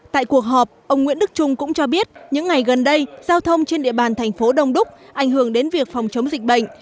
tại cuộc họp ông nguyễn đức trung cũng cho biết những ngày gần đây giao thông trên địa bàn thành phố đông đúc ảnh hưởng đến việc phòng chống dịch bệnh